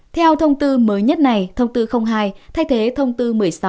theo thông tư mới nhất này thông tư hai thay thế thông tư một mươi sáu